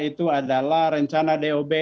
itu adalah rencana dob